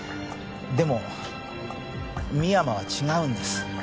でも深山は違うんです